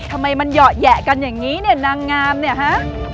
ทำไมมันเหยาะแหยะกันอย่างนี้เนี่ยนางงามเนี่ยฮะ